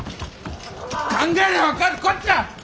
考えりゃ分かるこっちゃ！